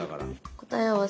答え合わせ？